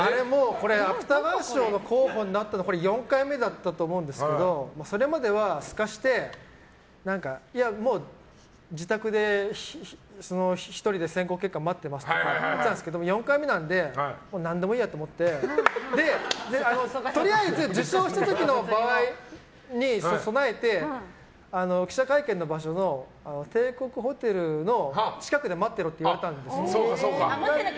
芥川賞の候補になったのは４回目だったと思うんですけどそれまではすかして、もう自宅で１人で選考結果待ってますとか言ってたんですけど４回目なので何でもいいやと思ってで、とりあえず受賞した時の場合に備えて記者会見の場所の帝国ホテルの近くで待ってろと言われたんです。